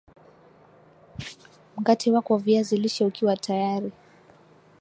mkate wako wa viazi lishe ukiwa tayari